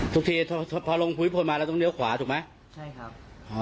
ทุกทีพอลงหุ้ยผลมาเราต้องเลี้ยวขวาถูกไหม